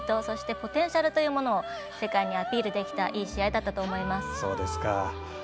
そして、ポテンシャルを世界にアピールできたいい試合だったと思います。